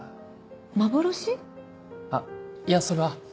あっいやそれは。